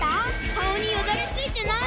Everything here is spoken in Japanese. かおによだれついてない？